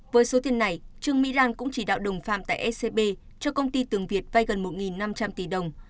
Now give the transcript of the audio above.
với số tiền này trương mỹ lan cũng chỉ đạo đồng phạm tại scb cho công ty tường việt vay gần một năm trăm linh tỷ đồng